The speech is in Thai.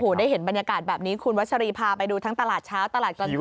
ได้เห็นบรรยากาศแบบนี้คุณวัชรีพาไปดูทั้งตลาดเช้าตลาดกลางกุ